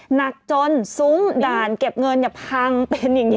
หนักจนซุ้มด่านเก็บเงินอย่าพังเป็นอย่างนี้ค่ะพี่